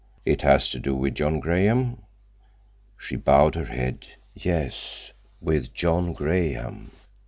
"It has to do with John Graham?" She bowed her head. "Yes, with John Graham."